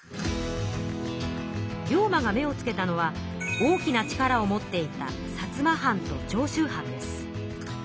龍馬が目をつけたのは大きな力を持っていた薩摩藩と長州藩です。